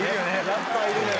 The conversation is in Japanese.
やっぱいるのよ。